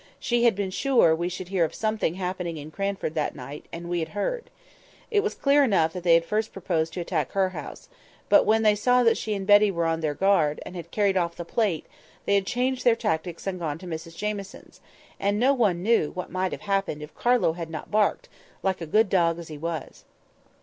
She had been sure we should hear of something happening in Cranford that night; and we had heard. It was clear enough they had first proposed to attack her house; but when they saw that she and Betty were on their guard, and had carried off the plate, they had changed their tactics and gone to Mrs Jamieson's, and no one knew what might have happened if Carlo had not barked, like a good dog as he was!